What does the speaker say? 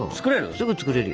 すぐ作れるよ。